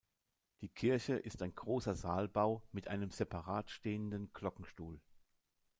Die Kirche ist ein großer Saalbau mit einem separat stehenden Glockenstuhl.